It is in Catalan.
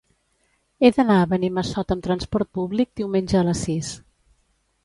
He d'anar a Benimassot amb transport públic diumenge a les sis.